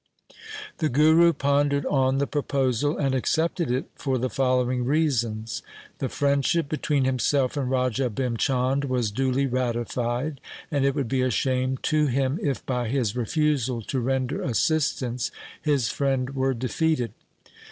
The Guru pondered on the proposal and accepted it for the following reasons :— The friendship between himself and Raja Bhim Chand was duly ratified, and it would be a shame to him if, by his refusal to render assistance, his friend were defeated.